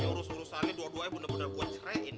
ya urus urusannya dua duanya bener bener gue cerain